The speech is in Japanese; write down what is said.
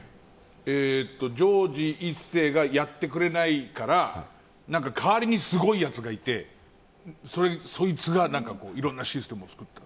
ジョージ１世がやってくれないから代わりにすごいやつがいてそいつがいろんなシステムを作った。